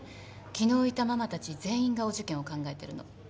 昨日いたママたち全員がお受験を考えてるの。